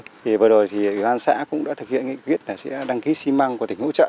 thì vừa rồi thì hoàn xã cũng đã thực hiện nghị quyết là sẽ đăng ký xi măng của tỉnh hỗ trợ